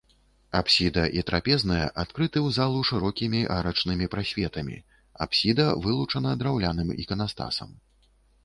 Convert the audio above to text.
Апсіда і трапезная адкрыты ў залу шырокімі арачнымі прасветамі, апсіда вылучана драўляным іканастасам.